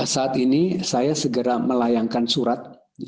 saat ini saya segera melayangkan surat